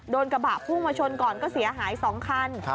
กระบะพุ่งมาชนก่อนก็เสียหาย๒คัน